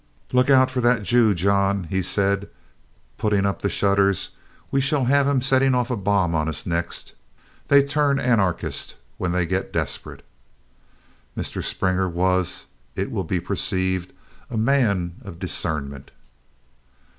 "Look out for that Jew, John," he said, putting up the shutters. "We shall have him setting off a bomb on us next. They turn Anarchist when they get desperate." Mr. Springer was, it will be perceived, a man of discernment.